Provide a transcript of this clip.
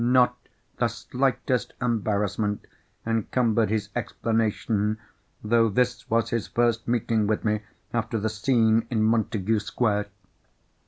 Not the slightest embarrassment encumbered his explanation, though this was his first meeting with me after the scene in Montagu Square.